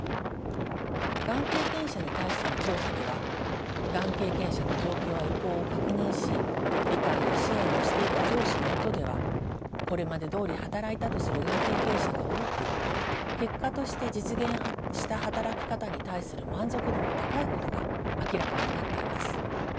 がん経験者に対する調査ではがん経験者の状況や意向を確認し理解や支援をしていた上司のもとではこれまでどおり働いたとするがん経験者が多く結果として実現した働き方に対する満足度も高いことが明らかになっています。